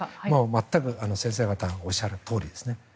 全く先生方がおっしゃるとおりです。